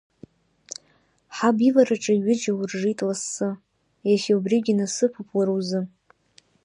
Ҳаб ивараҿы ҩыџьа уржит лассы, Иахьа убригьы насыԥуп уара узы…